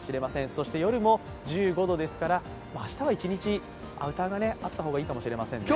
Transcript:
そして夜も１５度ですから、明日は一日、アウターがあった方がいいかもしれませんね。